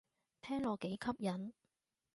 聽落幾吸引